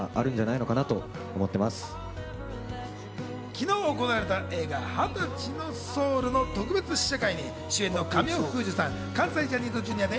昨日行われた映画『２０歳のソウル』の特別試写会に主演の神尾楓珠さん、関西ジャニーズＪｒ．でＡぇ！